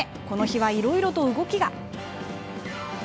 この日は、いろいろと動きが。